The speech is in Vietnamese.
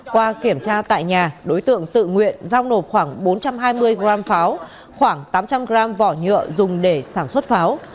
qua kiểm tra tại nhà đối tượng tự nguyện giao nộp khoảng bốn trăm hai mươi g pháo khoảng tám trăm linh g vỏ nhựa dùng để sản xuất pháo